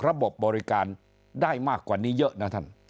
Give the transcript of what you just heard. บบริการได้มากกว่านี้เยอะนะท่าน